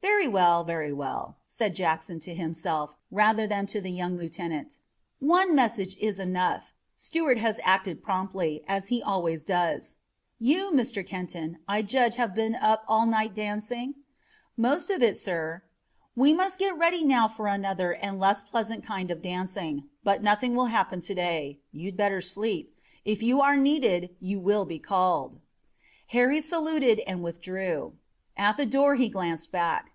"Very well, very well," said Jackson to himself, rather than to the young lieutenant. "One message was enough. Stuart has acted promptly, as he always does. You, Mr. Kenton, I judge have been up all night dancing?" "Most all of it, sir." "We must get ready now for another and less pleasant kind of dancing. But nothing will happen to day. You'd better sleep. If you are needed you will be called." Harry saluted and withdrew. At the door he glanced back.